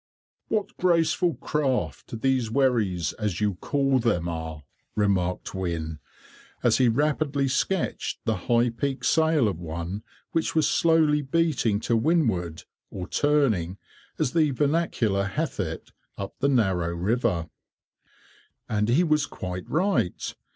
"What graceful craft these wherries, as you call them, are!" remarked Wynne, as he rapidly sketched the high peaked sail of one which was slowly beating to windward or "turning," as the vernacular hath it, up the narrow river. [Picture: A Norfolk Wherry] And he was quite right.